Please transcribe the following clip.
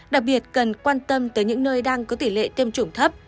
đặc biệt cần quan tâm tới những nơi đang có tỷ lệ tiêm chủng thấp